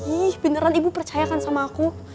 ih beneran ibu percayakan sama aku